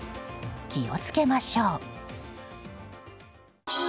気を付けましょう。